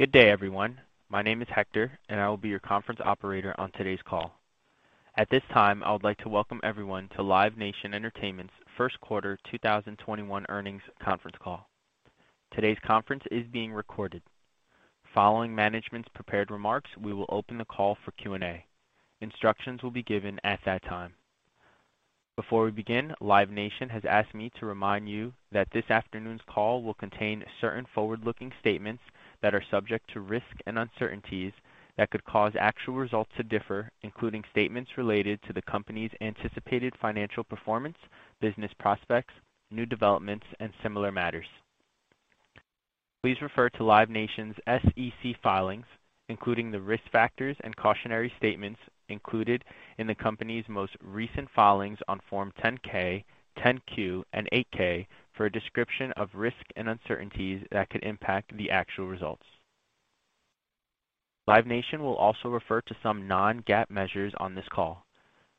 Good day, everyone. My name is Hector, and I will be your conference operator on today's call. At this time, I would like to welcome everyone to Live Nation Entertainment's First Quarter 2021 Earnings conference call. Today's conference is being recorded. Following management's prepared remarks, we will open the call for Q&A. Instructions will be given at that time. Before we begin, Live Nation has asked me to remind you that this afternoon's call will contain certain forward-looking statements that are subject to risk and uncertainties that could cause actual results to differ, including statements related to the company's anticipated financial performance, business prospects, new developments, and similar matters. Please refer to Live Nation's SEC filings, including the risk factors and cautionary statements included in the company's most recent filings on Form 10-K, 10-Q, and 8-K, for a description of risks and uncertainties that could impact the actual results. Live Nation will also refer to some non-GAAP measures on this call.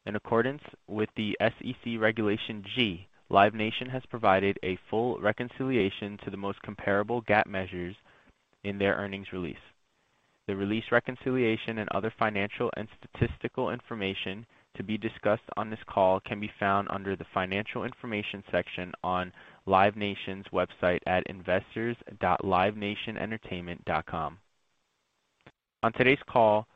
In accordance with the SEC Regulation G, Live Nation has provided a full reconciliation to the most comparable GAAP measures in their earnings release. The release reconciliation and other financial and statistical information to be discussed on this call can be found under the Financial Information section on Live Nation's website at investors.livenationentertainment.com. On today's call,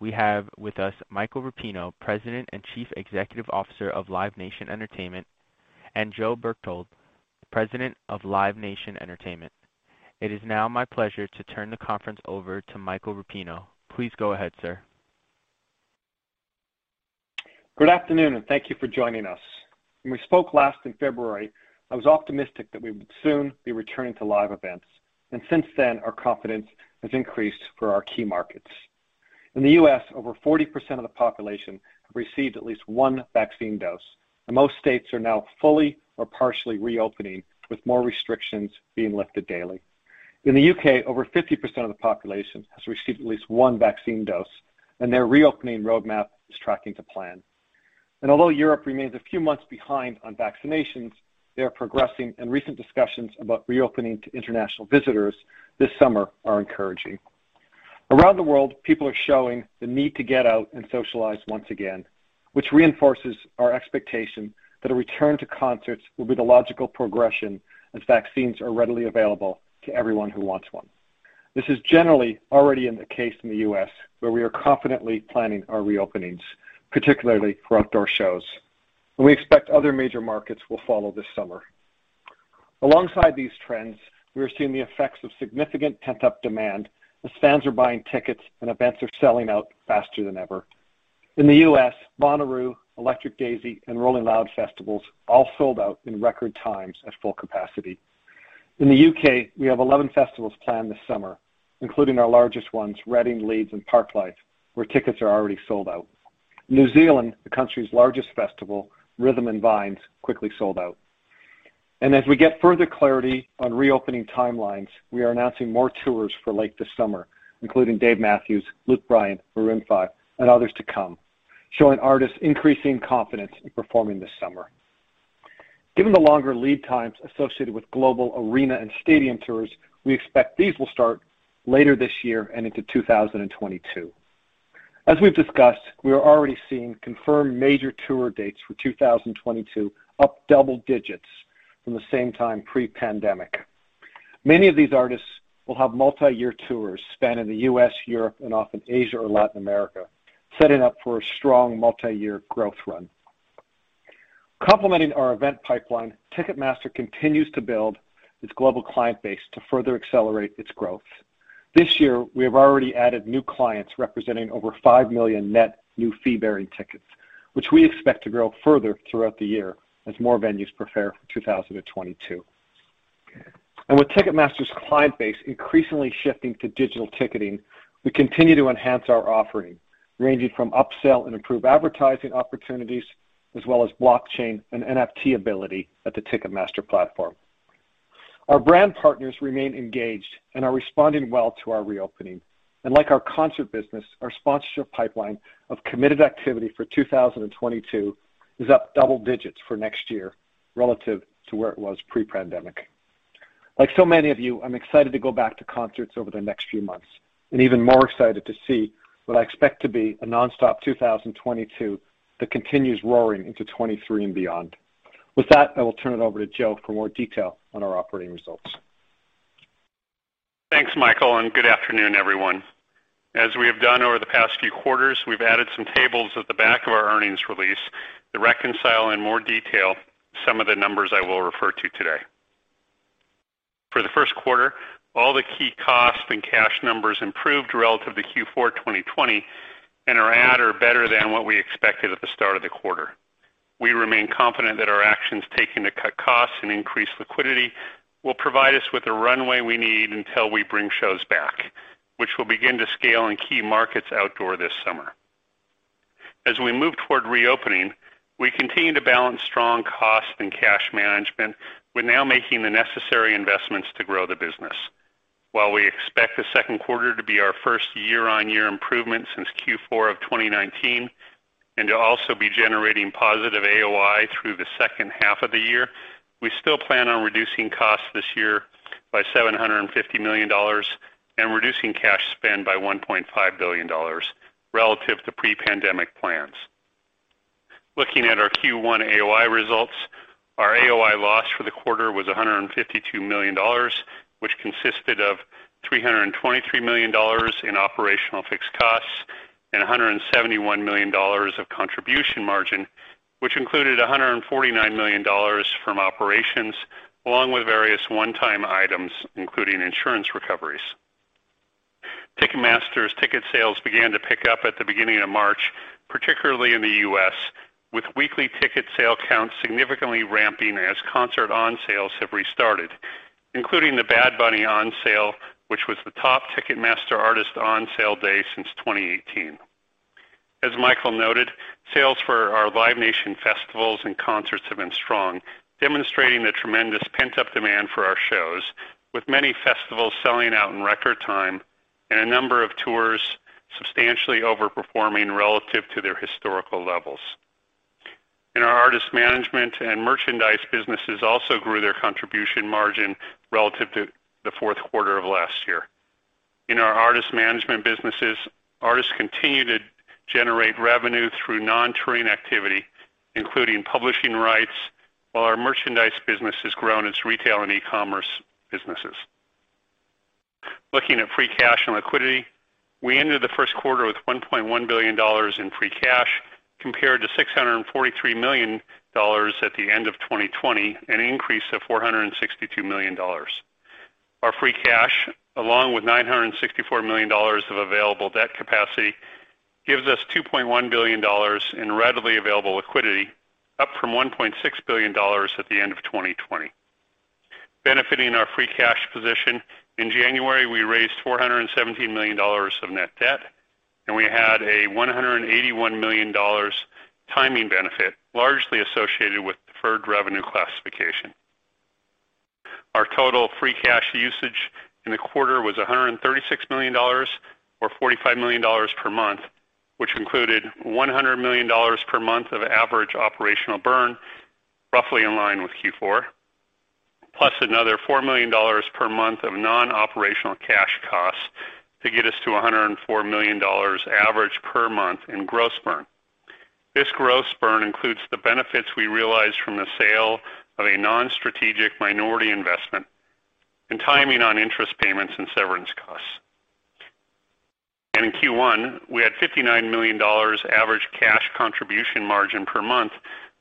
we have with us Michael Rapino, President and Chief Executive Officer of Live Nation Entertainment, and Joe Berchtold, President of Live Nation Entertainment. It is now my pleasure to turn the conference over to Michael Rapino. Please go ahead, sir. Good afternoon, and thank you for joining us. When we spoke last in February, I was optimistic that we would soon be returning to live events. Since then, our confidence has increased for our key markets. In the U.S., over 40% of the population have received at least one vaccine dose, and most states are now fully or partially reopening, with more restrictions being lifted daily. In the U.K., over 50% of the population has received at least one vaccine dose, and their reopening roadmap is tracking to plan. Although Europe remains a few months behind on vaccinations, they are progressing, and recent discussions about reopening to international visitors this summer are encouraging. Around the world, people are showing the need to get out and socialize once again, which reinforces our expectation that a return to concerts will be the logical progression as vaccines are readily available to everyone who wants one. This is generally already in the case in the U.S., where we are confidently planning our reopenings, particularly for outdoor shows, and we expect other major markets will follow this summer. Alongside these trends, we are seeing the effects of significant pent-up demand as fans are buying tickets and events are selling out faster than ever. In the U.S., Bonnaroo, Electric Daisy, and Rolling Loud festivals all sold out in record times at full capacity. In the U.K., we have 11 festivals planned this summer, including our largest ones, Reading, Leeds, and Parklife, where tickets are already sold out. In New Zealand, the country's largest festival, Rhythm and Vines, quickly sold out. As we get further clarity on reopening timelines, we are announcing more tours for late this summer, including Dave Matthews, Luke Bryan, Maroon 5, and others to come, showing artists increasing confidence in performing this summer. Given the longer lead times associated with global arena and stadium tours, we expect these will start later this year and into 2022. As we've discussed, we are already seeing confirmed major tour dates for 2022 up double digits from the same time pre-pandemic. Many of these artists will have multi-year tours spanning the U.S., Europe, and often Asia or Latin America, setting up for a strong multi-year growth run. Complementing our event pipeline, Ticketmaster continues to build its global client base to further accelerate its growth. This year, we have already added new clients representing over 5 million net new fee-bearing tickets, which we expect to grow further throughout the year as more venues prepare for 2022. With Ticketmaster's client base increasingly shifting to digital ticketing, we continue to enhance our offering, ranging from upsell and improved advertising opportunities, as well as blockchain and NFT ability at the Ticketmaster platform. Our brand partners remain engaged and are responding well to our reopening. Like our concert business, our sponsorship pipeline of committed activity for 2022 is up double digits for next year relative to where it was pre-pandemic. Like so many of you, I'm excited to go back to concerts over the next few months, and even more excited to see what I expect to be a nonstop 2022 that continues roaring into 2023 and beyond. With that, I will turn it over to Joe for more detail on our operating results. Thanks, Michael, and good afternoon, everyone. As we have done over the past few quarters, we've added some tables at the back of our earnings release to reconcile in more detail some of the numbers I will refer to today. For the first quarter, all the key costs and cash numbers improved relative to Q4 2020 and are at or better than what we expected at the start of the quarter. We remain confident that our actions taken to cut costs and increase liquidity will provide us with the runway we need until we bring shows back, which will begin to scale in key markets outdoor this summer. As we move toward reopening, we continue to balance strong cost and cash management with now making the necessary investments to grow the business. While we expect the second quarter to be our first year-on-year improvement since Q4 of 2019. To also be generating positive AOI through the second half of the year. We still plan on reducing costs this year by $750 million and reducing cash spend by $1.5 billion relative to pre-pandemic plans. Looking at our Q1 AOI results, our AOI loss for the quarter was $152 million, which consisted of $323 million in operational fixed costs and $171 million of contribution margin, which included $149 million from operations, along with various one-time items, including insurance recoveries. Ticketmaster's ticket sales began to pick up at the beginning of March, particularly in the U.S., with weekly ticket sale counts significantly ramping as concert on sales have restarted, including the Bad Bunny on sale, which was the top Ticketmaster artist on-sale day since 2018. As Michael noted, sales for our Live Nation festivals and concerts have been strong, demonstrating the tremendous pent-up demand for our shows, with many festivals selling out in record time and a number of tours substantially over-performing relative to their historical levels. Our artist management and merchandise businesses also grew their contribution margin relative to the fourth quarter of last year. In our artist management businesses, artists continue to generate revenue through non-touring activity, including publishing rights, while our merchandise business has grown its retail and e-commerce businesses. Looking at free cash and liquidity, we ended the first quarter with $1.1 billion in free cash, compared to $643 million at the end of 2020, an increase of $462 million. Our free cash, along with $964 million of available debt capacity, gives us $2.1 billion in readily available liquidity, up from $1.6 billion at the end of 2020. Benefiting our free cash position, in January, we raised $417 million of net debt, and we had a $181 million timing benefit, largely associated with deferred revenue classification. Our total free cash usage in the quarter was $136 million or $45 million per month, which included $100 million per month of average operational burn, roughly in line with Q4, plus another $4 million per month of non-operational cash costs to get us to $104 million average per month in gross burn. This gross burn includes the benefits we realized from the sale of a non-strategic minority investment and timing on interest payments and severance costs. In Q1, we had $59 million average cash contribution margin per month,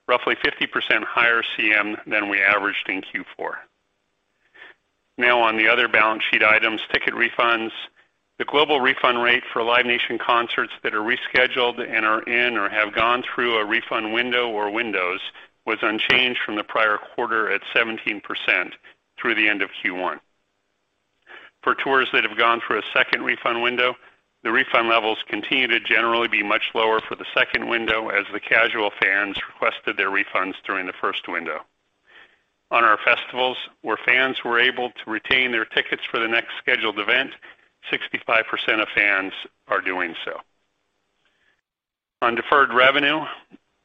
roughly 50% higher CM than we averaged in Q4. Now on the other balance sheet items, ticket refunds. The global refund rate for Live Nation Concerts that are rescheduled and are in or have gone through a refund window or windows was unchanged from the prior quarter at 17% through the end of Q1. For tours that have gone through a second refund window, the refund levels continue to generally be much lower for the second window as the casual fans requested their refunds during the first window. On our festivals, where fans were able to retain their tickets for the next scheduled event, 65% of fans are doing so. On deferred revenue,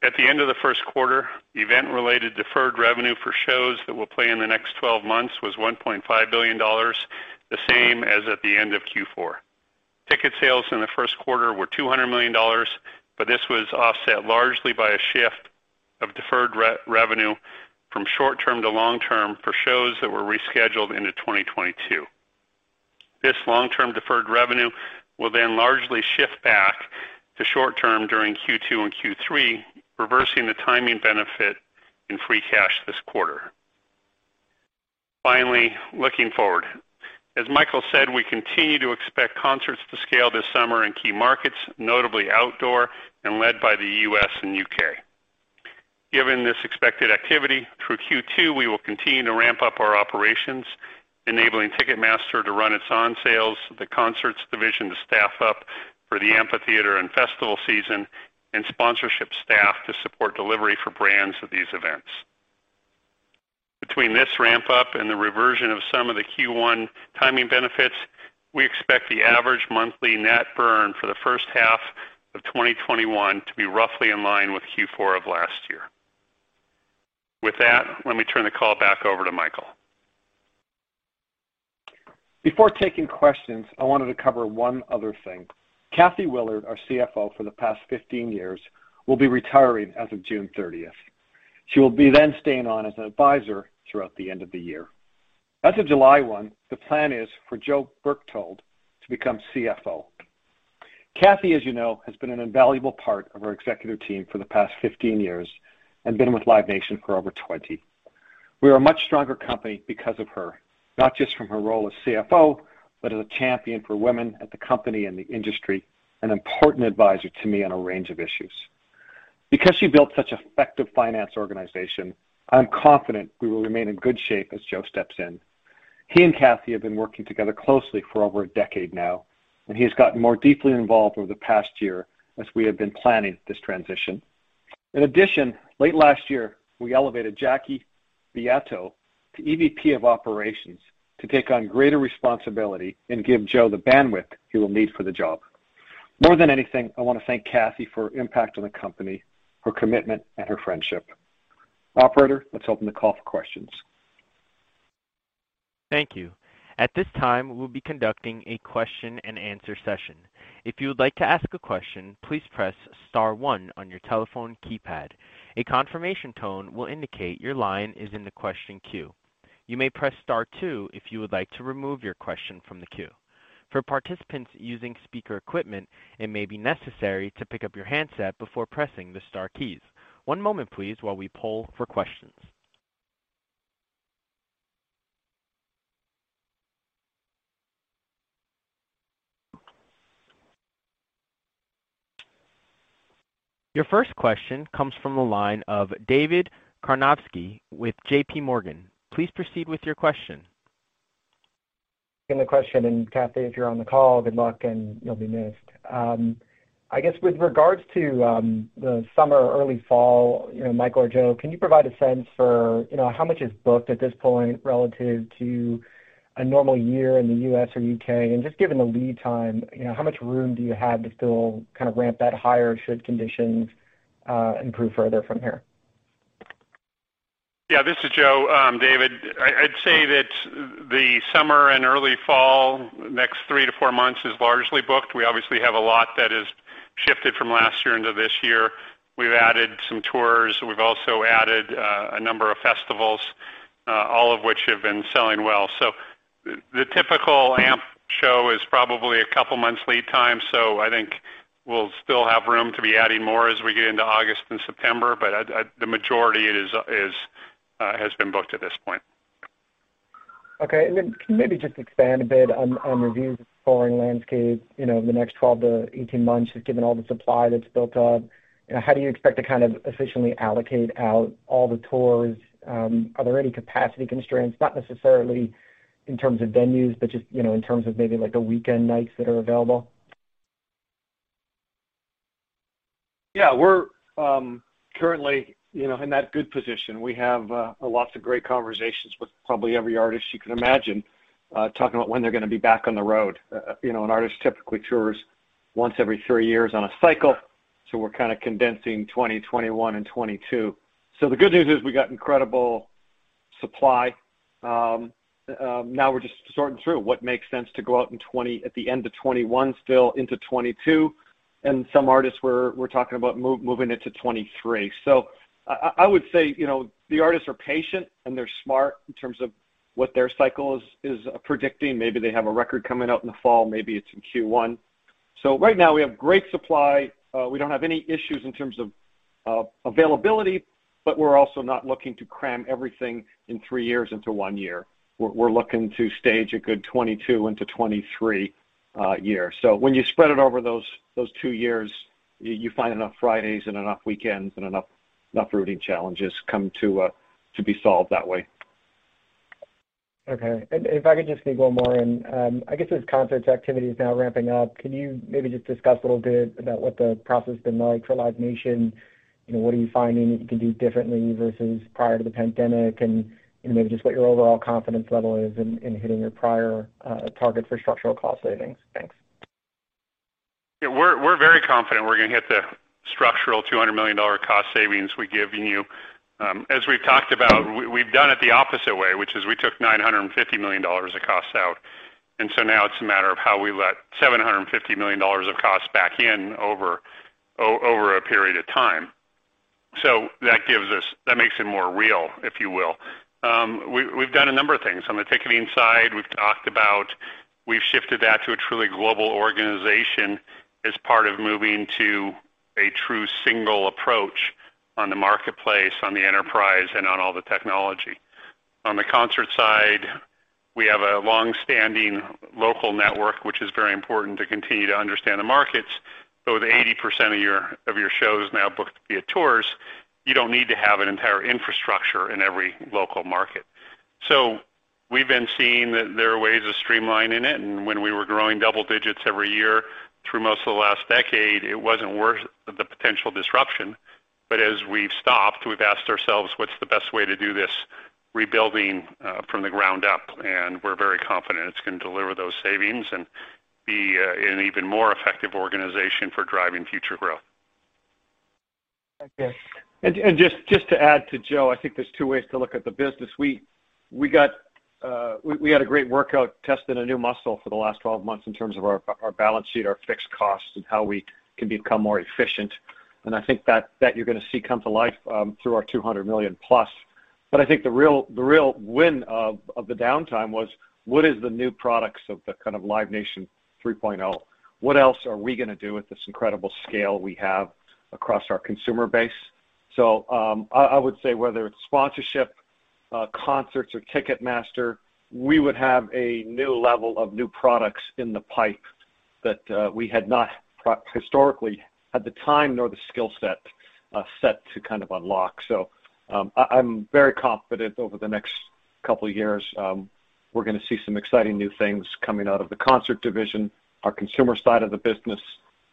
at the end of the first quarter, event-related deferred revenue for shows that will play in the next 12 months was $1.5 billion, the same as at the end of Q4. Ticket sales in the first quarter were $200 million. This was offset largely by a shift of deferred revenue from short-term to long-term for shows that were rescheduled into 2022. This long-term deferred revenue will largely shift back to short-term during Q2 and Q3, reversing the timing benefit in free cash this quarter. Finally, looking forward. As Michael said, we continue to expect concerts to scale this summer in key markets, notably outdoor and led by the U.S. and U.K. Given this expected activity, through Q2, we will continue to ramp up our operations, enabling Ticketmaster to run its on sales, the concerts division to staff up for the amphitheater and festival season, and sponsorship staff to support delivery for brands at these events. Between this ramp up and the reversion of some of the Q1 timing benefits, we expect the average monthly net burn for the first half of 2021 to be roughly in line with Q4 of last year. With that, let me turn the call back over to Michael. Before taking questions, I wanted to cover one other thing. Kathy Willard, our CFO for the past 15 years, will be retiring as of June 30th. She will be then staying on as an advisor throughout the end of the year. As of July 1, the plan is for Joe Berchtold to become CFO. Kathy, as you know, has been an invaluable part of our executive team for the past 15 years and been with Live Nation for over 20. We are a much stronger company because of her, not just from her role as CFO, but as a champion for women at the company and the industry, an important advisor to me on a range of issues. Because she built such an effective finance organization, I'm confident we will remain in good shape as Joe steps in. He and Kathy have been working together closely for over a decade now, and he has gotten more deeply involved over the past year as we have been planning this transition. In addition, late last year, we elevated Jacqueline Beato to EVP of Operations to take on greater responsibility and give Joe the bandwidth he will need for the job. More than anything, I want to thank Kathy for her impact on the company, her commitment and her friendship. Operator, let's open the call for questions. Thank you. At this time, we'll be conducting a question and answer session. If you would like to ask a question, please press star one on your telephone keypad. A confirmation tone will indicate your line is in the question queue. You may press star two if you would like to remove your question from the queue. For participants using speaker equipment, it may be necessary to pick up your handset before pressing the star keys. One moment, please, while we poll for questions. Your first question comes from the line of David Karnovsky with JPMorgan. Please proceed with your question. The question, and Kathy, if you're on the call, good luck, and you'll be missed. I guess with regards to the summer or early fall, Mike or Joe, can you provide a sense for how much is booked at this point relative to a normal year in the U.S. or U.K.? Just given the lead time, how much room do you have to still kind of ramp that higher should conditions improve further from here? Yeah. This is Joe. David, I'd say that the summer and early fall, next three to four months is largely booked. We obviously have a lot that has shifted from last year into this year. We've added some tours. We've also added a number of festivals, all of which have been selling well. The typical AMP show is probably a couple months lead time. I think we'll still have room to be adding more as we get into August and September, but the majority has been booked at this point. Okay. Then can you maybe just expand a bit on views of the touring landscape in the next 12 to 18 months, just given all the supply that's built up. How do you expect to kind of efficiently allocate out all the tours? Are there any capacity constraints, not necessarily in terms of venues, but just in terms of maybe like the weekend nights that are available? We're currently in that good position. We have lots of great conversations with probably every artist you can imagine, talking about when they're going to be back on the road. An artist typically tours once every three years on a cycle, we're kind of condensing 2020, 2021, and 2022. The good news is we got incredible supply. Now we're just sorting through what makes sense to go out at the end of 2021, still into 2022, and some artists we're talking about moving into 2023. I would say, the artists are patient and they're smart in terms of what their cycle is predicting. Maybe they have a record coming out in the fall, maybe it's in Q1. Right now we have great supply. We don't have any issues in terms of availability, but we're also not looking to cram everything in three years into one year. We're looking to stage a good 2022 into 2023 year. When you spread it over those two years, you find enough Fridays and enough weekends and enough routing challenges come to be solved that way. Okay. If I could just sneak one more in. I guess as concerts activity is now ramping up, can you maybe just discuss a little bit about what the process has been like for Live Nation? What are you finding that you can do differently versus prior to the pandemic, and maybe just what your overall confidence level is in hitting your prior target for structural cost savings? Thanks. We're very confident we're going to hit the structural $200 million cost savings we've given you. As we've talked about, we've done it the opposite way, which is we took $950 million of costs out, now it's a matter of how we let $750 million of costs back in over a period of time. That makes it more real, if you will. We've done a number of things. On the ticketing side, we've talked about we've shifted that to a truly global organization as part of moving to a true single approach on the marketplace, on the enterprise, and on all the technology. On the concert side, we have a long-standing local network, which is very important to continue to understand the markets. The 80% of your shows now booked via tours, you don't need to have an entire infrastructure in every local market. We've been seeing that there are ways of streamlining it, and when we were growing double digits every year through most of the last decade, it wasn't worth the potential disruption. As we've stopped, we've asked ourselves, what's the best way to do this rebuilding from the ground up, and we're very confident it's going to deliver those savings and be an even more effective organization for driving future growth. Okay. Just to add to Joe Berchtold, I think there's two ways to look at the business. We had a great workout testing a new muscle for the last 12 months in terms of our balance sheet, our fixed costs, and how we can become more efficient. I think that you're going to see come to life through our $200 million plus. I think the real win of the downtime was what is the new products of the kind of Live Nation 3.0? What else are we going to do with this incredible scale we have across our consumer base? I would say whether it's sponsorship, concerts, or Ticketmaster, we would have a new level of new products in the pipe that we had not historically had the time nor the skill set to kind of unlock. I'm very confident over the next couple years. We're going to see some exciting new things coming out of the Concert Division, our consumer side of the business,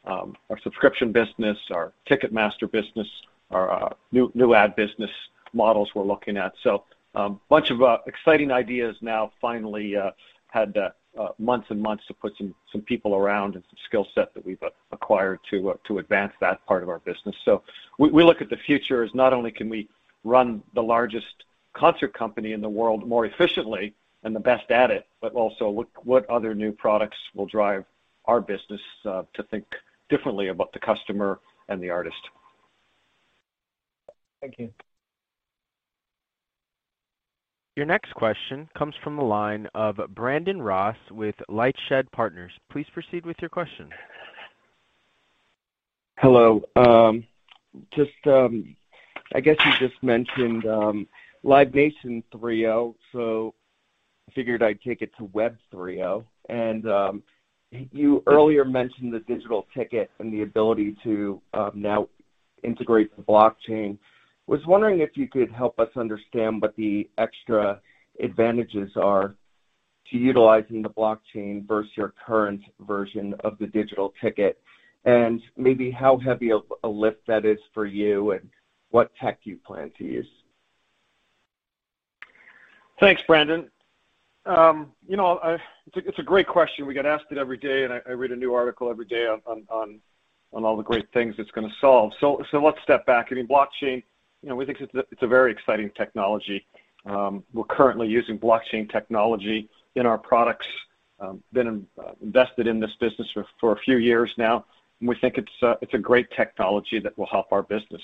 our subscription business, our Ticketmaster business, our new ad business models we're looking at. A bunch of exciting ideas now finally had months and months to put some people around and some skill set that we've acquired to advance that part of our business. We look at the future as not only can we run the largest concert company in the world more efficiently and the best at it, but also what other new products will drive our business to think differently about the customer and the artist. Thank you. Your next question comes from the line of Brandon Ross with LightShed Partners. Please proceed with your question. Hello. I guess you just mentioned Live Nation 3.0, so figured I'd take it to Web 3.0. You earlier mentioned the digital ticket and the ability to now integrate the blockchain. I was wondering if you could help us understand what the extra advantages are to utilizing the blockchain versus your current version of the digital ticket, and maybe how heavy of a lift that is for you and what tech you plan to use. Thanks, Brandon. It's a great question. We get asked it every day. I read a new article every day on all the great things it's going to solve. Let's step back. Blockchain, we think it's a very exciting technology. We're currently using blockchain technology in our products. Been invested in this business for a few years now. We think it's a great technology that will help our business.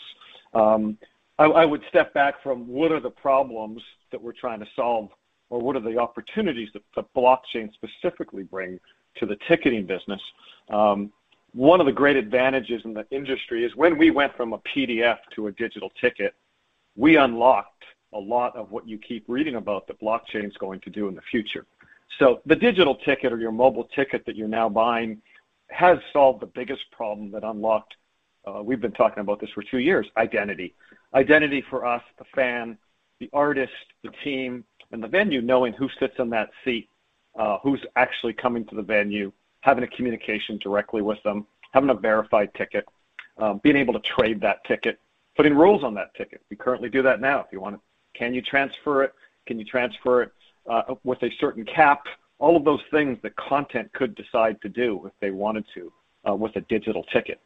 I would step back from what are the problems that we're trying to solve or what are the opportunities that blockchain specifically bring to the ticketing business. One of the great advantages in the industry is when we went from a PDF to a digital ticket, we unlocked a lot of what you keep reading about that blockchain's going to do in the future. The digital ticket or your mobile ticket that you're now buying has solved the biggest problem that unlocked, we've been talking about this for three years, identity. Identity for us, the fan, the artist, the team, and the venue knowing who sits in that seat, who's actually coming to the venue, having a communication directly with them, having a verified ticket, being able to trade that ticket, putting rules on that ticket. We currently do that now if you want to. Can you transfer it? Can you transfer it with a certain cap? All of those things the content could decide to do if they wanted to with a digital ticket.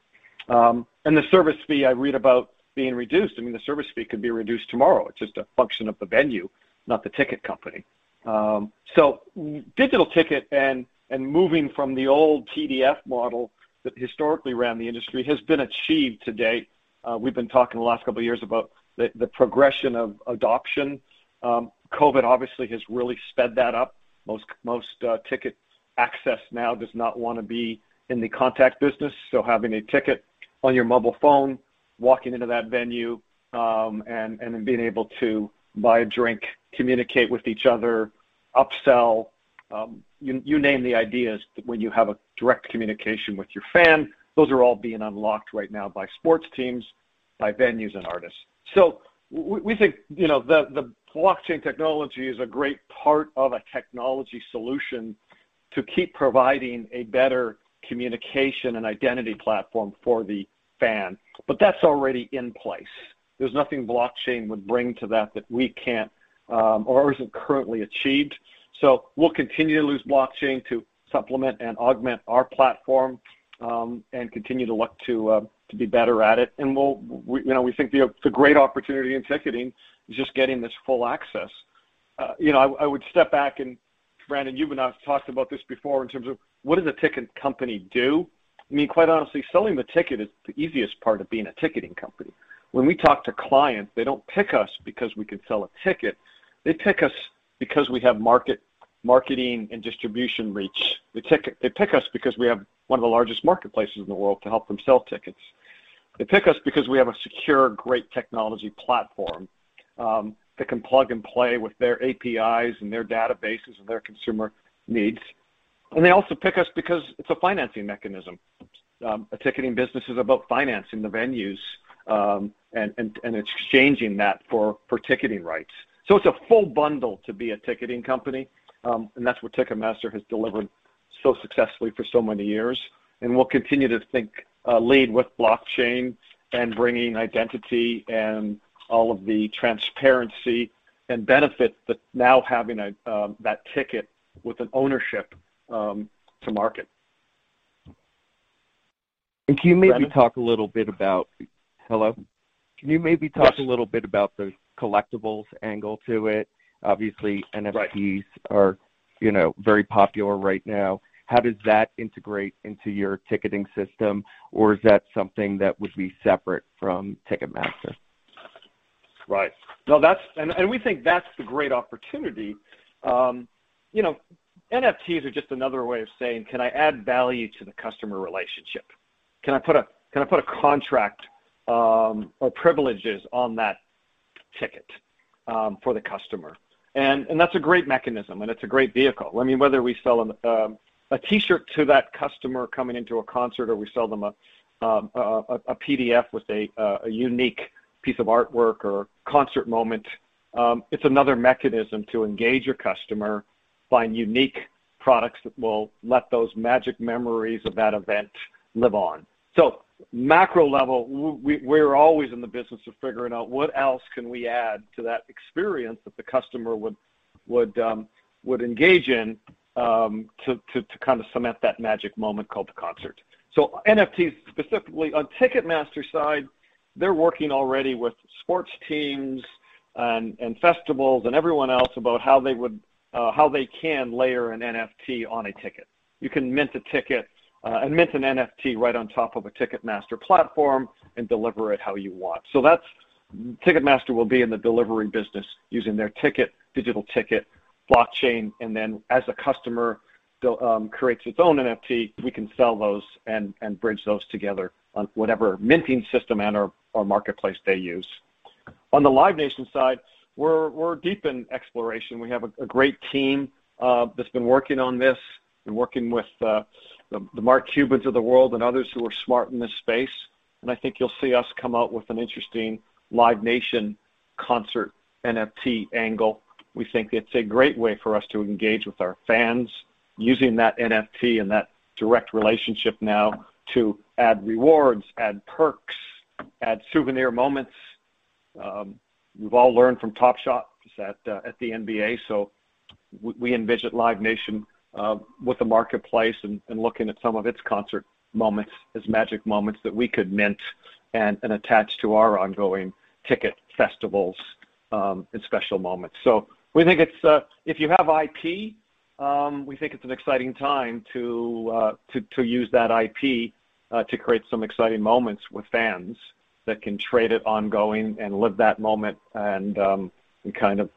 The service fee I read about being reduced. The service fee could be reduced tomorrow. It's just a function of the venue, not the ticket company. Digital ticket and moving from the old PDF model that historically ran the industry has been achieved to date. We've been talking the last couple of years about the progression of adoption. COVID obviously has really sped that up. Most ticket access now does not want to be in the contact business, so having a ticket on your mobile phone, walking into that venue, and then being able to buy a drink, communicate with each other, upsell, you name the ideas when you have a direct communication with your fan. Those are all being unlocked right now by sports teams, by venues, and artists. We think the blockchain technology is a great part of a technology solution to keep providing a better communication and identity platform for the fan. That's already in place. There's nothing blockchain would bring to that that we can't or isn't currently achieved. We'll continue to use blockchain to supplement and augment our platform, and continue to look to be better at it. We think the great opportunity in ticketing is just getting this full access. I would step back and, Brandon, you and I have talked about this before in terms of what does a ticket company do? Quite honestly, selling the ticket is the easiest part of being a ticketing company. When we talk to clients, they don't pick us because we can sell a ticket. They pick us because we have marketing and distribution reach. They pick us because we have one of the largest marketplaces in the world to help them sell tickets. They pick us because we have a secure, great technology platform that can plug and play with their APIs and their databases and their consumer needs. They also pick us because it's a financing mechanism. A ticketing business is about financing the venues, and exchanging that for ticketing rights. It's a full bundle to be a ticketing company, and that's what Ticketmaster has delivered so successfully for so many years. We'll continue to lead with blockchain and bringing identity and all of the transparency and benefit that now having that ticket with an ownership to market. Brandon? Can you maybe talk a little bit about? Hello? Yes Can you maybe talk about a little bit about the collectibles angle to it? Obviously, NFTs are very popular right now. How does that integrate into your ticketing system? Or is that something that would be separate from Ticketmaster? Right. We think that's the great opportunity. NFTs are just another way of saying, "Can I add value to the customer relationship? Can I put a contract or privileges on that ticket for the customer?" That's a great mechanism, and it's a great vehicle. Whether we sell a T-shirt to that customer coming into a concert or we sell them a PDF with a unique piece of artwork or concert moment, it's another mechanism to engage your customer. Find unique products that will let those magic memories of that event live on. Macro level, we're always in the business of figuring out what else can we add to that experience that the customer would engage in to kind of cement that magic moment called the concert. NFTs specifically, on Ticketmaster's side, they're working already with sports teams and festivals and everyone else about how they can layer an NFT on a ticket. You can mint a ticket and mint an NFT right on top of a Ticketmaster platform and deliver it how you want. Ticketmaster will be in the delivery business using their digital ticket blockchain, and then as a customer creates its own NFT, we can sell those and bridge those together on whatever minting system and/or marketplace they use. On the Live Nation side, we're deep in exploration. We have a great team that's been working on this and working with the Mark Cuban of the world and others who are smart in this space. I think you'll see us come out with an interesting Live Nation Concerts NFT angle. We think it's a great way for us to engage with our fans using that NFT and that direct relationship now to add rewards, add perks, add souvenir moments. We've all learned from Top Shot at the NBA. We envision Live Nation with a marketplace and looking at some of its concert moments as magic moments that we could mint and attach to our ongoing ticket festivals and special moments. If you have IP, we think it's an exciting time to use that IP to create some exciting moments with fans that can trade it ongoing and live that moment and kind of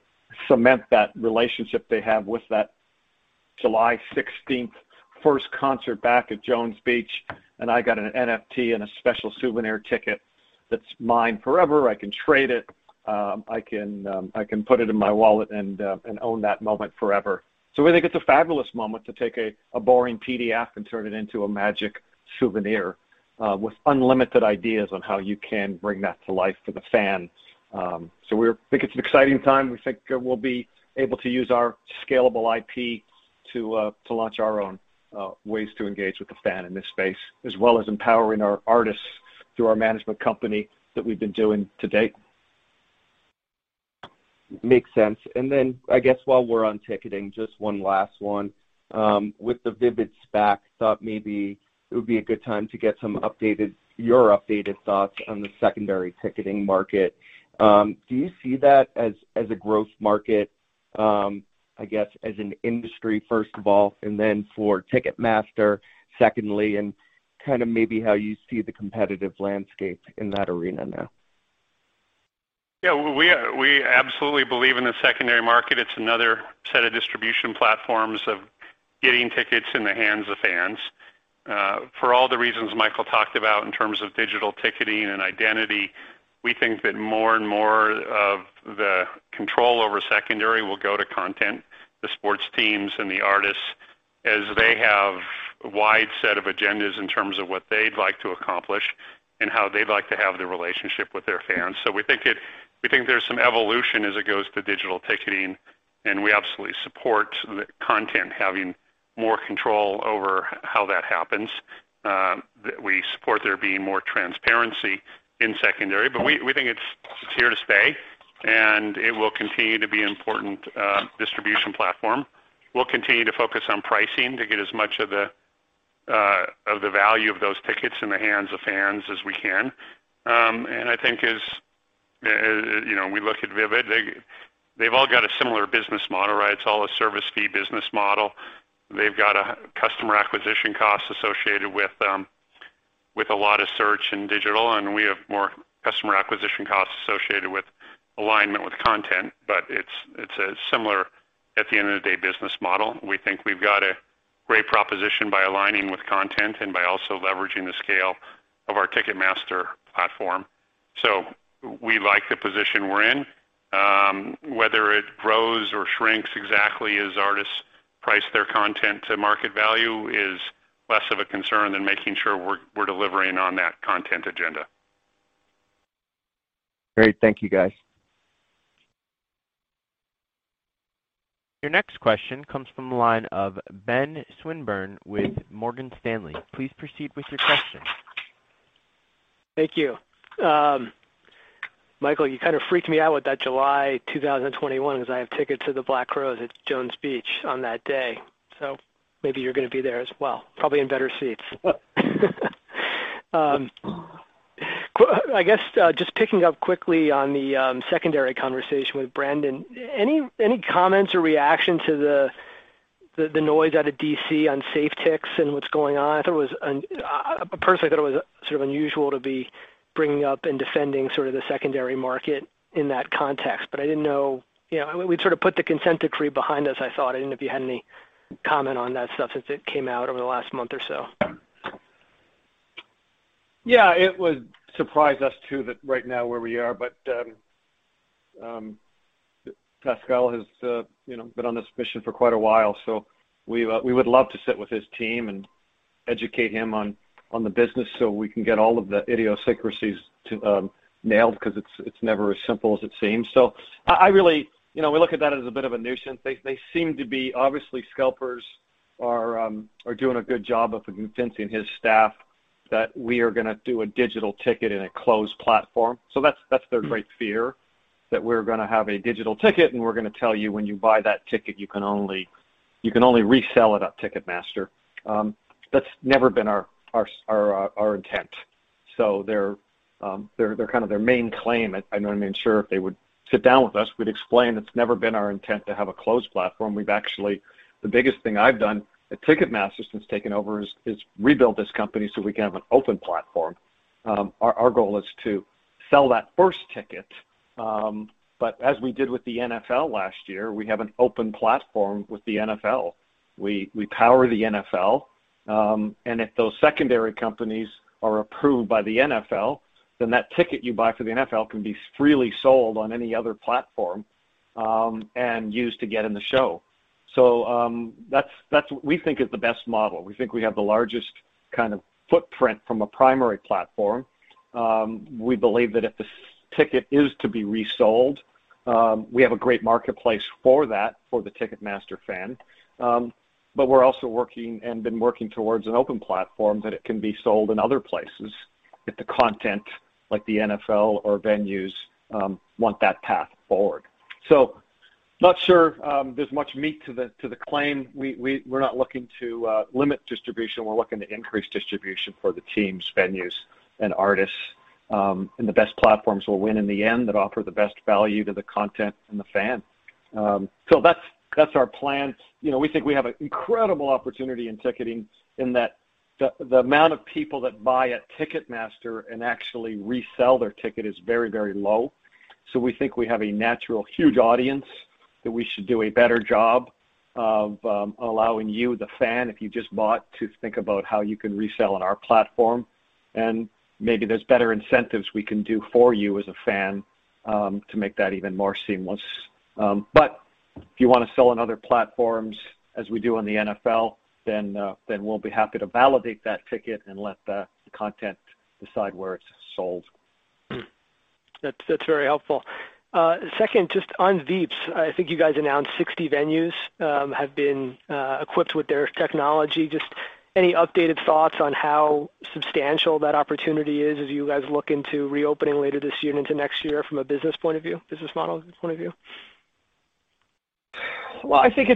cement that relationship they have with that July 16th first concert back at Jones Beach, and I got an NFT and a special souvenir ticket that's mine forever. I can trade it. I can put it in my wallet and own that moment forever. We think it's a fabulous moment to take a boring PDF and turn it into a magic souvenir with unlimited ideas on how you can bring that to life for the fan. We think it's an exciting time. We think we'll be able to use our scalable IP to launch our own ways to engage with the fan in this space, as well as empowering our artists through our management company that we've been doing to date. Makes sense. I guess while we're on ticketing, just one last one. With the Vivid SPAC, thought maybe it would be a good time to get your updated thoughts on the secondary ticketing market. Do you see that as a growth market, I guess, as an industry, first of all, and then for Ticketmaster, secondly, and kind of maybe how you see the competitive landscape in that arena now? We absolutely believe in the secondary market. It's another set of distribution platforms of getting tickets in the hands of fans. For all the reasons Michael talked about in terms of digital ticketing and identity, we think that more and more of the control over secondary will go to content, the sports teams and the artists, as they have a wide set of agendas in terms of what they'd like to accomplish and how they'd like to have the relationship with their fans. We think there's some evolution as it goes to digital ticketing, and we absolutely support the content having more control over how that happens. We support there being more transparency in secondary. We think it's here to stay, and it will continue to be an important distribution platform. We'll continue to focus on pricing to get as much of the value of those tickets in the hands of fans as we can. I think as we look at Vivid, they've all got a similar business model, right? It's all a service fee business model. They've got customer acquisition costs associated with a lot of search and digital, and we have more customer acquisition costs associated with alignment with content. It's similar at the end of the day business model. We think we've got a great proposition by aligning with content and by also leveraging the scale of our Ticketmaster platform. We like the position we're in. Whether it grows or shrinks exactly as artists price their content to market value is less of a concern than making sure we're delivering on that content agenda. Great. Thank you, guys. Your next question comes from the line of Ben Swinburne with Morgan Stanley. Please proceed with your question. Thank you. Michael, you kind of freaked me out with that July 2021, because I have tickets to The Black Crowes at Jones Beach on that day. Maybe you're going to be there as well, probably in better seats. I guess just picking up quickly on the secondary conversation with Brandon, any comments or reaction to the noise out of D.C. on SafeTix and what's going on? Personally, I thought it was sort of unusual to be bringing up and defending sort of the secondary market in that context. I didn't know. We'd sort of put the consent decree behind us, I thought. I didn't know if you had any comment on that stuff since it came out over the last month or so. It would surprise us, too, that right now where we are, but Pascrell has been on this mission for quite a while. We would love to sit with his team and educate him on the business so we can get all of the idiosyncrasies nailed, because it's never as simple as it seems. We look at that as a bit of a nuisance. Obviously scalpers are doing a good job of convincing his staff that we are going to do a digital ticket in a closed platform. That's their great fear, that we're going to have a digital ticket, and we're going to tell you when you buy that ticket you can only resell it on Ticketmaster. That's never been our intent. Their main claim, I'm not even sure if they would sit down with us, we'd explain it's never been our intent to have a closed platform. The biggest thing I've done at Ticketmaster since taking over is rebuild this company so we can have an open platform. Our goal is to sell that first ticket, but as we did with the NFL last year, we have an open platform with the NFL. We power the NFL, and if those secondary companies are approved by the NFL, then that ticket you buy for the NFL can be freely sold on any other platform, and used to get in the show. That we think is the best model. We think we have the largest kind of footprint from a primary platform. We believe that if the ticket is to be resold, we have a great marketplace for that for the Ticketmaster fan. We're also working, and been working towards an open platform that it can be sold in other places if the content, like the NFL or venues, want that path forward. Not sure there's much meat to the claim. We're not looking to limit distribution. We're looking to increase distribution for the teams, venues, and artists. The best platforms will win in the end, that offer the best value to the content and the fan. That's our plan. We think we have an incredible opportunity in ticketing in that the amount of people that buy at Ticketmaster and actually resell their ticket is very, very low. We think we have a natural, huge audience, that we should do a better job of allowing you, the fan, if you just bought, to think about how you can resell on our platform. Maybe there's better incentives we can do for you as a fan, to make that even more seamless. If you want to sell on other platforms as we do on the NFL, we'll be happy to validate that ticket and let the content decide where it's sold. That's very helpful. Second, just on Veeps, I think you guys announced 60 venues have been equipped with their technology. Just any updated thoughts on how substantial that opportunity is as you guys look into reopening later this year and into next year from a business point of view, business model point of view? I think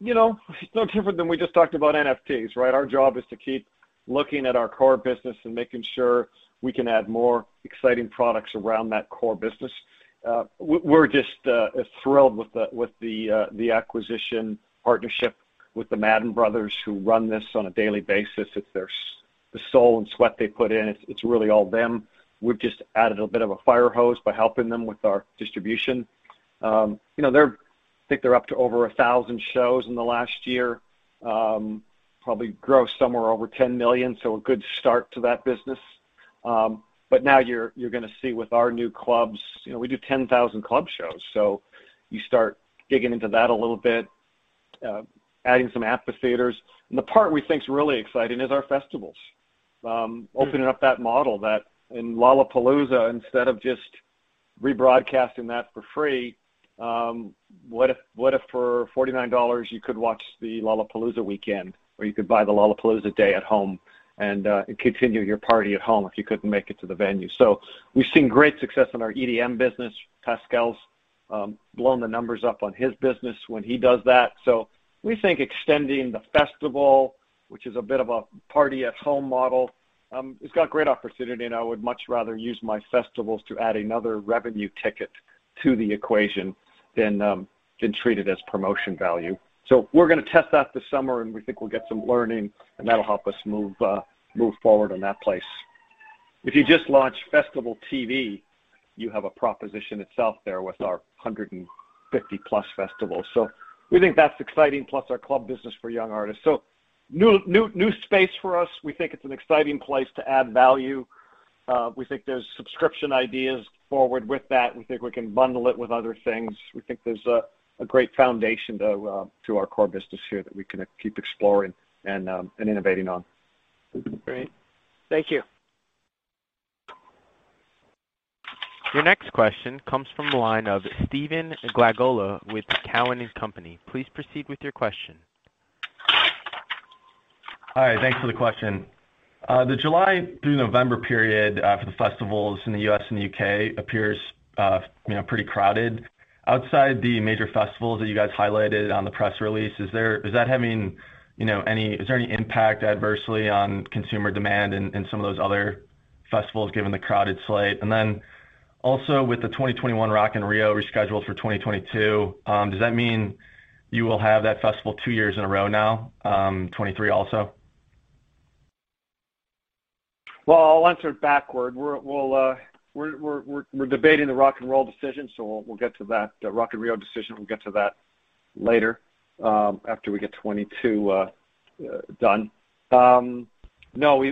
it's no different than we just talked about NFTs, right? Our job is to keep looking at our core business and making sure we can add more exciting products around that core business. We're just thrilled with the acquisition partnership with the Madden brothers who run this on a daily basis. It's the soul and sweat they put in. It's really all them. We've just added a bit of a fire hose by helping them with our distribution. I think they're up to over 1,000 shows in the last year. Probably grossed somewhere over $10 million, so a good start to that business. Now you're going to see with our new clubs, we do 10,000 club shows. You start digging into that a little bit, adding some amphitheaters. The part we think is really exciting is our festivals. Opening up that model, that in Lollapalooza, instead of just rebroadcasting that for free, what if for $49 you could watch the Lollapalooza weekend? You could buy the Lollapalooza day at home and continue your party at home if you couldn't make it to the venue. We've seen great success in our EDM business. Pasquale's blown the numbers up on his business when he does that. We think extending the festival, which is a bit of a party at home model, it's got great opportunity and I would much rather use my festivals to add another revenue ticket to the equation than treat it as promotion value. We're going to test that this summer, and we think we'll get some learning, and that'll help us move forward in that place. If you just launch Festival TV, you have a proposition itself there with our 150+ festivals. We think that's exciting, plus our club business for young artists. New space for us. We think it's an exciting place to add value. We think there's subscription ideas forward with that. We think we can bundle it with other things. We think there's a great foundation to our core business here that we can keep exploring and innovating on. Great. Thank you. Your next question comes from the line of Stephen Glagola with Cowen and Company. Please proceed with your question. Hi, thanks for the question. The July through November period for the festivals in the U.S. and the U.K. appears pretty crowded. Outside the major festivals that you guys highlighted on the press release, is there any impact adversely on consumer demand in some of those other festivals given the crowded slate? Also with the 2021 Rock in Rio rescheduled for 2022, does that mean you will have that festival two years in a row now, 2023 also? Well, I'll answer it backward. We're debating the Rock in Rio decision, so we'll get to that later, after we get 2022 done. No, we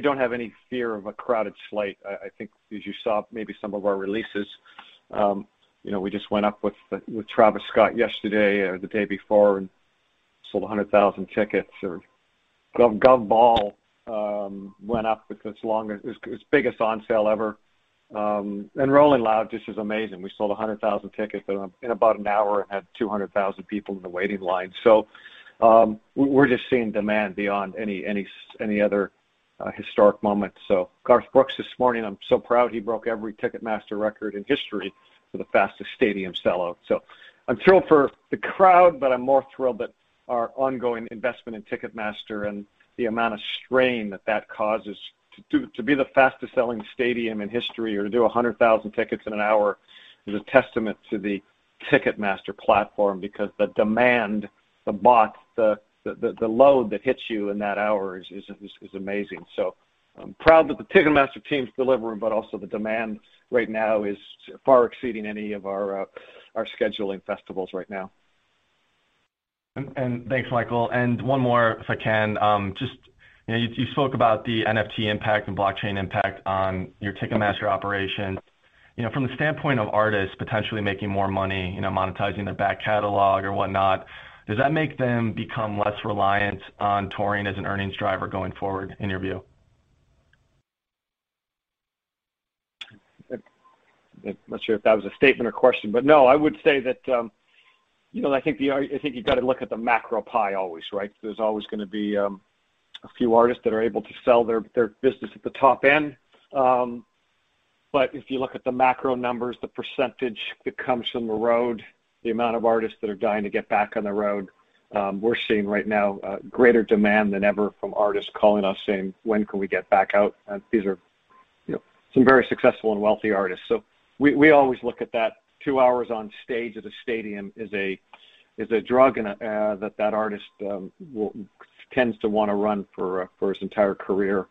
don't have any fear of a crowded slate. I think as you saw, maybe some of our releases. We just went up with Travis Scott yesterday or the day before and sold 100,000 tickets. Gov Ball went up with its biggest on sale ever. Rolling Loud just was amazing. We sold 100,000 tickets in about an hour and had 200,000 people in the waiting line. We're just seeing demand beyond any other historic moment. Garth Brooks this morning, I'm so proud. He broke every Ticketmaster record in history for the fastest stadium sellout. I'm thrilled for the crowd, but I'm more thrilled that our ongoing investment in Ticketmaster and the amount of strain that that causes to be the fastest selling stadium in history or to do 100,000 tickets in an hour, is a testament to the Ticketmaster platform because the demand, the bot, the load that hits you in that hour is amazing. I'm proud that the Ticketmaster team's delivering, but also the demand right now is far exceeding any of our scheduling festivals right now. Thanks, Michael. One more if I can. Just you spoke about the NFT impact and blockchain impact on your Ticketmaster operation. From the standpoint of artists potentially making more money, monetizing their back catalog or whatnot, does that make them become less reliant on touring as an earnings driver going forward, in your view? No, I would say that I think you've got to look at the macro pie always, right? There's always going to be a few artists that are able to sell their business at the top end. If you look at the macro numbers, the percentage that comes from the road, the amount of artists that are dying to get back on the road, we're seeing right now a greater demand than ever from artists calling us saying, "When can we get back out?" These are some very successful and wealthy artists. We always look at that two hours on stage at a stadium is a drug that artist tends to want to run for his entire career.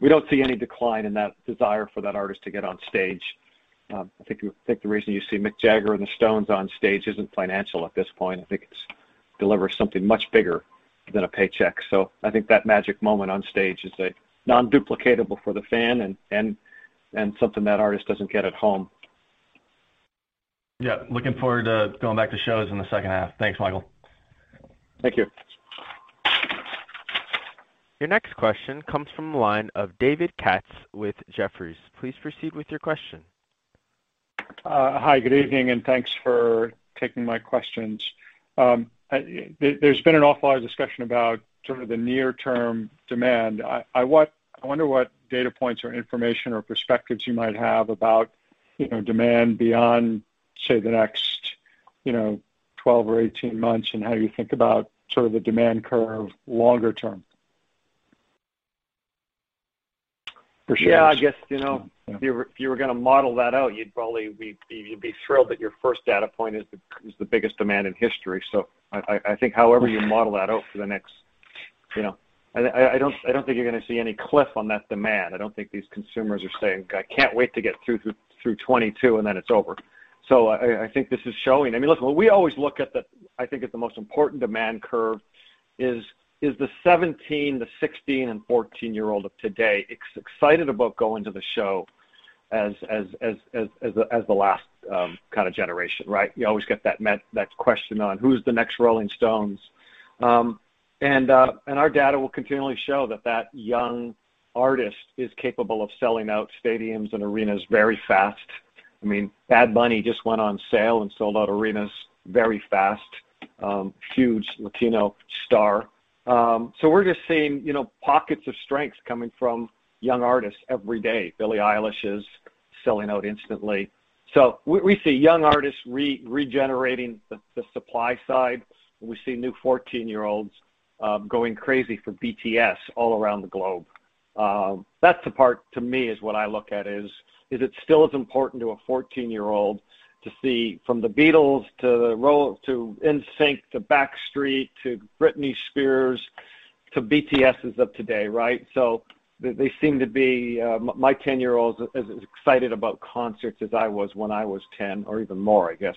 We don't see any decline in that desire for that artist to get on stage. I think the reason you see Mick Jagger and the Stones on stage isn't financial at this point. I think it delivers something much bigger than a paycheck. I think that magic moment on stage is non-duplicatable for the fan and something that artist doesn't get at home. Yeah. Looking forward to going back to shows in the second half. Thanks, Michael. Thank you. Your next question comes from the line of David Katz with Jefferies. Please proceed with your question. Hi, good evening, and thanks for taking my questions. There's been an awful lot of discussion about sort of the near term demand. I wonder what data points or information or perspectives you might have about demand beyond, say, the next 12 or 18 months, and how you think about sort of the demand curve longer term. Yeah. I guess, if you were going to model that out, you'd be thrilled that your first data point is the biggest demand in history. I think however you model that out. I don't think you're going to see any cliff on that demand. I don't think these consumers are saying, "I can't wait to get through 2022, and then it's over." I think this is showing. Look, what we always look at, I think, as the most important demand curve is the 17-, the 16- and 14-year-old of today excited about going to the show as the last kind of generation, right? You always get that question on who's the next Rolling Stones. Our data will continually show that that young artist is capable of selling out stadiums and arenas very fast. Bad Bunny just went on sale and sold out arenas very fast. Huge Latino star. We're just seeing pockets of strength coming from young artists every day. Billie Eilish is selling out instantly. We see young artists regenerating the supply side. We see new 14-year-olds going crazy for BTS all around the globe. That's the part to me is what I look at, is it still as important to a 14-year-old to see from The Beatles to NSYNC to Backstreet to Britney Spears to BTSs of today, right? My 10-year-old is as excited about concerts as I was when I was 10, or even more, I guess,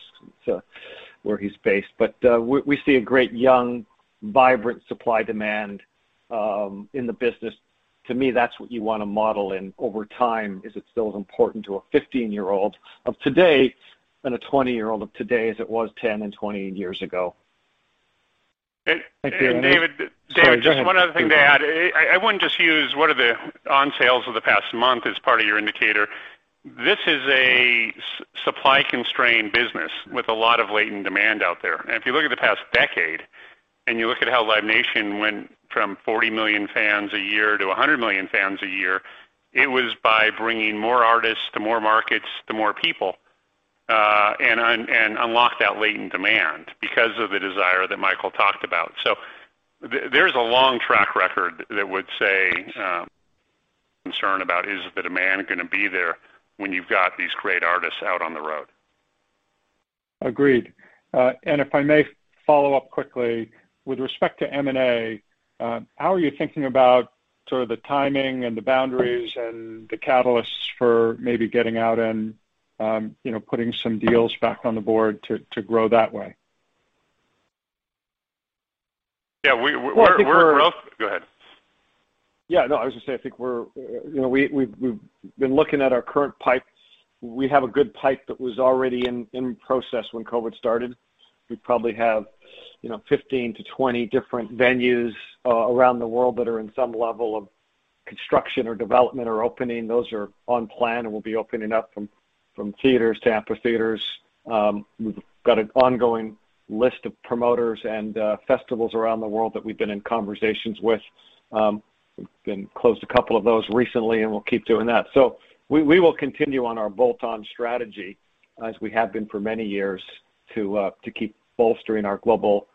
where he's based. We see a great young, vibrant supply-demand in the business. To me, that's what you want to model in over time, is it still as important to a 15-year-old of today and a 20-year-old of today as it was 10 and 20 years ago? David. Sorry, go ahead, keep going. One other thing to add. I wouldn't just use what are the onsales of the past month as part of your indicator. This is a supply-constrained business with a lot of latent demand out there. If you look at the past decade and you look at how Live Nation went from 40 million fans a year to 100 million fans a year, it was by bringing more artists to more markets, to more people, and unlocked that latent demand because of the desire that Michael talked about. There's a long track record that would say concern about is the demand going to be there when you've got these great artists out on the road. Agreed. If I may follow up quickly. With respect to M&A, how are you thinking about sort of the timing and the boundaries and the catalysts for maybe getting out and putting some deals back on the board to grow that way? Yeah. Go ahead. Yeah, no, I was going to say, I think we've been looking at our current pipe. We have a good pipe that was already in process when COVID started. We probably have 15 to 20 different venues around the world that are in some level of construction or development or opening. Those are on plan and will be opening up from theaters to amphitheaters. We've got an ongoing list of promoters and festivals around the world that we've been in conversations with. We've closed a couple of those recently, and we'll keep doing that. We will continue on our bolt-on strategy, as we have been for many years, to keep bolstering our global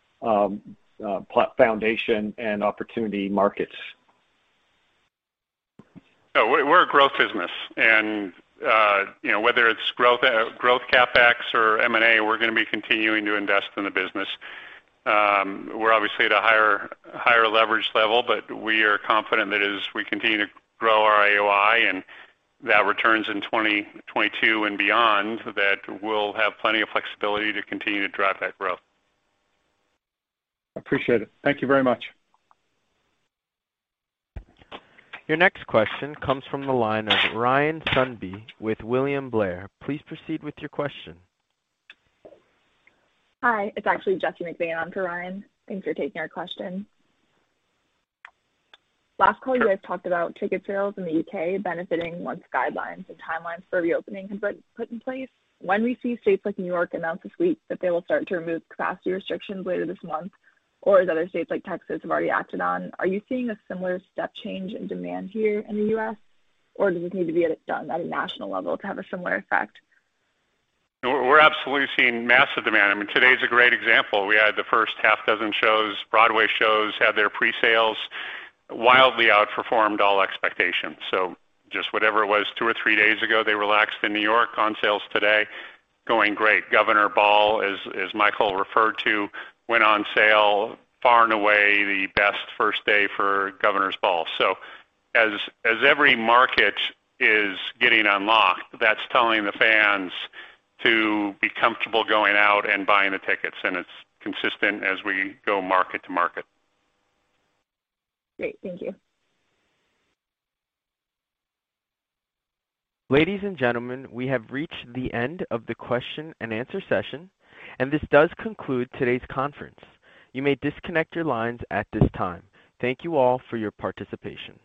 foundation and opportunity markets. We're a growth business, and whether it's growth CapEx or M&A, we're going to be continuing to invest in the business. We're obviously at a higher leverage level, but we are confident that as we continue to grow our AOI and that returns in 2022 and beyond, that we'll have plenty of flexibility to continue to drive that growth. Appreciate it. Thank you very much. Your next question comes from the line of Ryan Sundby with William Blair. Please proceed with your question. Hi, it's actually Jesse McVay on for Ryan. Thanks for taking our question. Last call, you guys talked about ticket sales in the U.K. benefiting once guidelines and timelines for reopening have been put in place. When we see states like New York announce this week that they will start to remove capacity restrictions later this month, or as other states like Texas have already acted on, are you seeing a similar step change in demand here in the U.S., or does this need to be done at a national level to have a similar effect? We're absolutely seeing massive demand. I mean, today's a great example. We had the first half dozen shows. Broadway shows had their pre-sales wildly outperformed all expectations. Just whatever it was two or three days ago, they relaxed in New York on sales today, going great. Governors Ball, as Michael referred to, went on sale far and away the best first day for Governors Ball. As every market is getting unlocked, that's telling the fans to be comfortable going out and buying the tickets, and it's consistent as we go market to market. Great. Thank you. Ladies and gentlemen, we have reached the end of the question and answer session. This does conclude today's conference. You may disconnect your lines at this time. Thank you all for your participation.